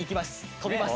跳びます